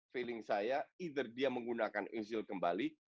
feeling saya either dia menggunakan ozil kembali